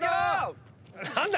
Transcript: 何だ？